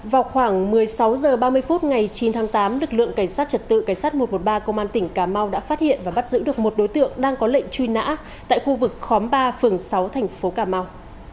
vào khoảng một mươi sáu h ba mươi phút ngày chín tháng tám lực lượng cảnh sát trật tự cảnh sát một trăm một mươi ba công an tỉnh cà mau đã phát hiện và bắt giữ được một đối tượng đang có lệnh truy nã tại khu vực khóm ba phường sáu thành phố cà mau